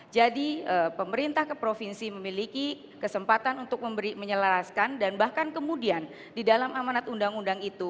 jadi pemerintah ke provinsi memiliki kesempatan untuk menyelaraskan dan bahkan kemudian di dalam amanat undang undang itu